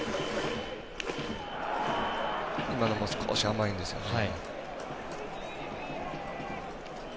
今のも少し、甘いんですよね。